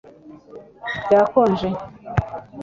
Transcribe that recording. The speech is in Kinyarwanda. Byakonje